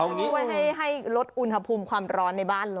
มันต้องได้ให้ลดอุณหภูมิความร้อนในบ้านลง